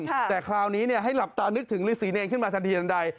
ค่ะแต่คราวนี้เนี่ยให้หลับตานึกถึงฤทธิ์ศีลเองขึ้นมาทันทีดังใด